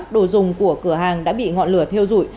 đồ dùng của cửa hàng đã bị ngọn lửa thiêu dụi